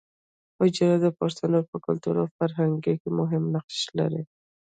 حجره د پښتانو په کلتور او فرهنګ کې مهم نقش لري